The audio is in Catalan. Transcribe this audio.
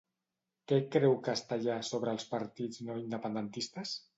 Què creu Castellà sobre els partits no independentistes?